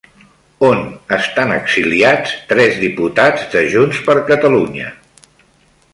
On estan exiliats tres diputats de Junts per Catalunya?